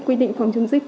quy định phòng chống dịch